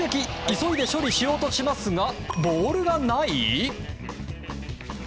急いで処理しようとしますがボールがない？